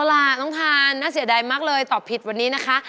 เอาล่ะน้องทานน่าเสียดายมากเลยตอบผิดวันนี้นะคะ